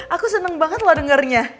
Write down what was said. aku seneng banget lo dengernya